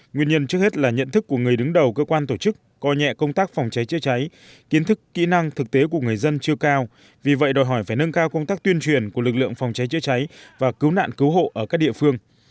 nguyên nhân trước hết là nhận thức của người đứng đầu cơ quan tổ chức coi nhẹ công tác phòng cháy chữa cháy kiến thức kỹ năng thực tế của người dân chưa cao vì vậy đòi hỏi phải nâng cao công tác tuyên truyền của lực lượng phòng cháy chữa cháy và cứu nạn cứu hộ ở các địa phương